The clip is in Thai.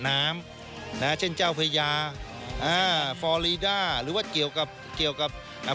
น้ำนะฮะเช่นเจ้าพญาอ่าฟอรีด้าหรือว่าเกี่ยวกับเกี่ยวกับอ่า